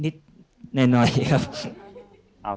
นิดหน่อยครับ